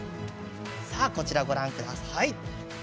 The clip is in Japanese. こちら、ご覧ください。